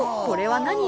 これは何？